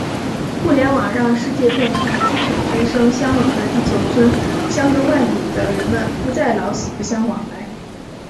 互联网让世界变成了“鸡犬之声相闻”的地球村，相隔万里的人们不再“老死不相往来”。